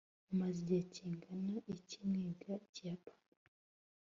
mumaze igihe kingana iki mwiga ikiyapani